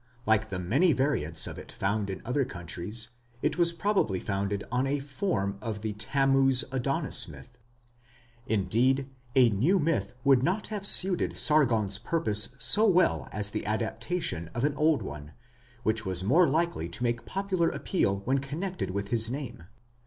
Like the many variants of it found in other countries, it was probably founded on a form of the Tammuz Adonis myth. Indeed, a new myth would not have suited Sargon's purpose so well as the adaptation of an old one, which was more likely to make popular appeal when connected with his name.